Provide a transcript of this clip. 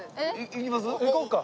行こうか。